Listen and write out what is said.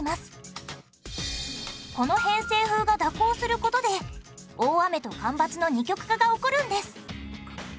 この偏西風が蛇行する事で大雨と干ばつの二極化が起こるんです。